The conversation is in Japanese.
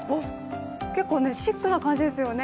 結構シックな感じですよね。